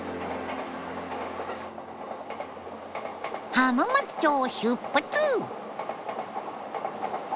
浜松町を出発！